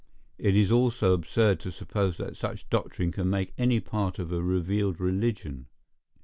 It is also absurd to suppose that such doctrine can make any part of a revealed religion.